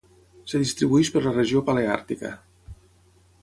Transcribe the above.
Es distribueix per la regió paleàrtica.